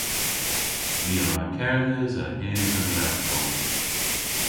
Ni a wra kerdhes a-hys an lerghow.